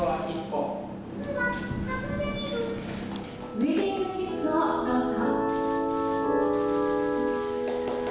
ウェディングキスをどうぞ。